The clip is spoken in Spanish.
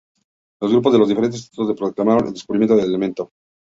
Los grupos son los diferentes institutos que proclamaron el descubrimiento del elemento.